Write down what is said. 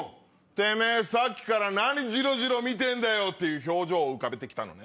てめぇさっきから何じろじろ見てんだよ！っていう表情を浮かべて来たのね。